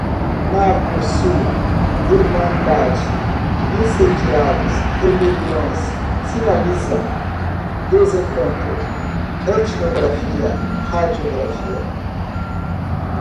narcosul, irmandade, incendiados, rebeliões, sinalizam, desencontro, etnografia, radiografia